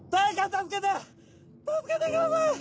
助けてください！